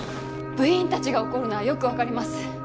部員たちが怒るのはよくわかります。